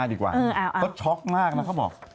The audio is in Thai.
ดูสินั่นไง